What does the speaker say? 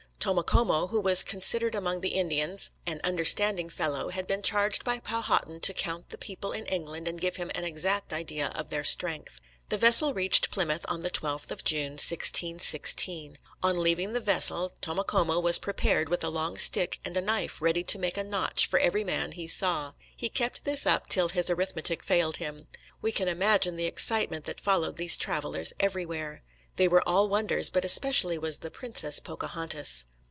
Tomocomo, who was considered among the Indians "an understanding fellow," had been charged by Powhatan to count the people in England and give him an exact idea of their strength. The vessel reached Plymouth on the 12th of June, 1616. On leaving the vessel Tomocomo was prepared with a long stick and a knife ready to make a notch for every man he saw. He kept this up till "his arithmetic failed him." We can imagine the excitement that followed these travellers everywhere. They were all wonders, but especially was the "Princess" Pocahontas.